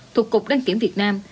thuộc cục đăng kiểm việt nam